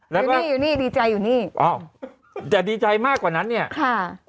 แล้วอยู่นี่อยู่นี่ดีใจอยู่นี่อ้าวแต่ดีใจมากกว่านั้นเนี่ยค่ะ